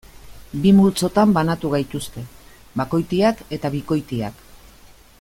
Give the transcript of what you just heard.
Bi multzotan banatu gaituzte: bakoitiak eta bikoitiak.